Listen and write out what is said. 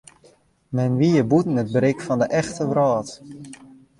Men wie hjir bûten it berik fan de echte wrâld.